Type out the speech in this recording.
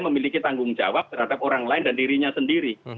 memiliki tanggung jawab terhadap orang lain dan dirinya sendiri